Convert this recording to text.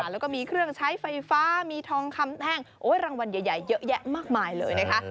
แล้วก็มีเครื่องใช้ไฟฟ้ามีทองคำแท่งรางวัลใหญ่เยอะแยะมากมายเลยนะคะ